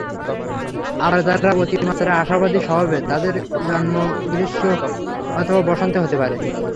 আবার যারা অতিমাত্রায় আশাবাদী স্বভাবের, তাদের জন্ম গ্রীষ্ম অথবা বসন্তে হতে পারে।